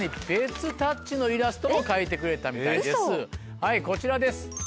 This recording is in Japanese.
はいこちらです。